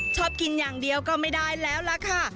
ชอบกินอย่างเดียวก็ไม่ได้แล้วล่ะค่ะ